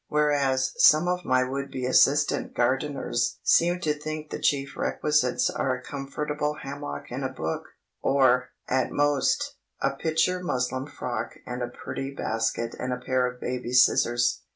Whereas some of my would be assistant gardeners seem to think the chief requisites are a comfortable hammock and a book; or, at most, a "picture" muslin frock and a pretty basket and a pair of baby scissors.